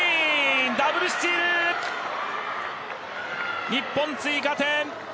ダブルスチール！日本、追加点！